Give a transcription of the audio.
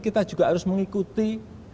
kita juga harus mengikuti